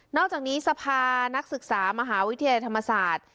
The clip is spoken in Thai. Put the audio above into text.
อกจากนี้สภานักศึกษามหาวิทยาลัยธรรมศาสตร์